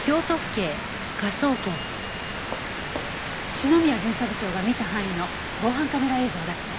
篠宮巡査部長が見た範囲の防犯カメラ映像を出して。